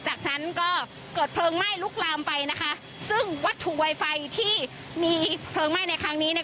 จากนั้นก็เกิดเพลิงไหม้ลุกลามไปนะคะซึ่งวัตถุไวไฟที่มีเพลิงไหม้ในครั้งนี้เนี่ย